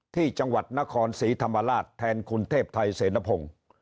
ที่จังหวัดนครศรีธรรมราชแทนคุณเทพไทยเสนพงศ์